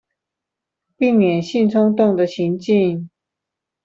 避免性衝動的情境